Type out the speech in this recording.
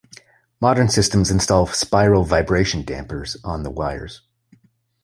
Modern systems install spiral vibration dampers on the wires.